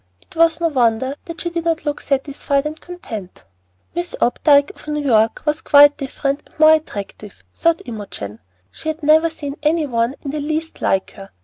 It was no wonder that she did not look satisfied and content. "Miss Opdyke, of New York" was quite different and more attractive, Imogen thought. She had never seen any one in the least like her.